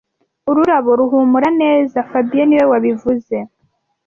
Ururabo ruhumura neza fabien niwe wabivuze